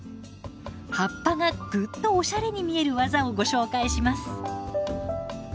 葉っぱがグッとオシャレに見える技をご紹介します。